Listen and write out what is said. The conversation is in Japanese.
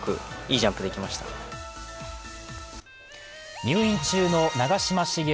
入院中の長嶋茂雄